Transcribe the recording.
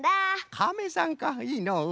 カメさんかいいのう。